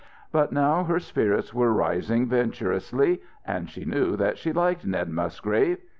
But now her spirits were rising venturously, and she knew that she liked Ned Musgrave.